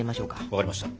分かりました。